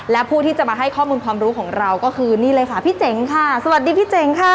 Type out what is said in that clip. และผู้ที่จะมาให้ข้อมูลความรู้ของเราก็คือนี่เลยค่ะพี่เจ๋งค่ะสวัสดีพี่เจ๋งค่ะ